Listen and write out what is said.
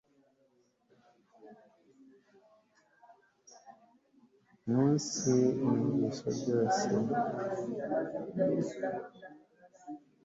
umunsi numvise byose